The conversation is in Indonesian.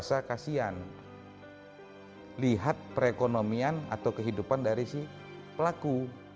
jadi ada pemulihan disitu